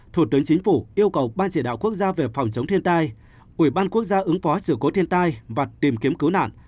thủ tướng chính phủ yêu cầu ban chỉ đạo quốc gia về phòng chống thiên tai ubnd ứng phó sự cố thiên tai và tìm kiếm cứu nạn